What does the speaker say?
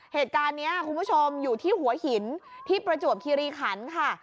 เหตุการณ์นี้คุณผู้ชมอยู่ที่หัวหินที่ประจวบคิริขันค่ะ